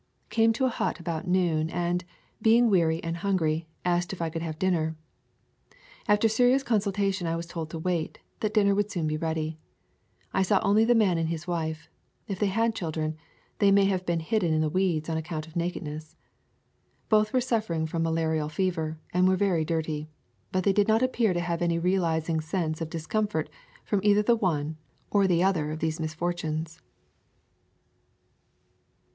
Came to a hut about noon, and, being weary and hungry, asked if I could have dinner. After serious consultation I was told to wait, that dinner would soon be ready. I saw only the man and his wife. If they had children, they may have been hidden in the weeds on account of nakedness. Both were suffering from ma larial fever, and were very dirty. But they did not appear to have any realizing sense of dis comfort from either the one or the other of these misfortunes.